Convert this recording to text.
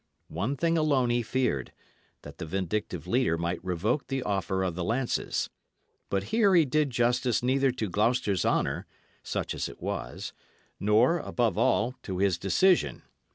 One thing alone he feared that the vindictive leader might revoke the offer of the lances. But here he did justice neither to Gloucester's honour (such as it was) nor, above all, to his decision.